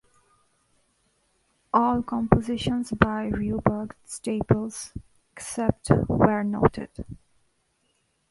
All compositions by Roebuck Staples except where noted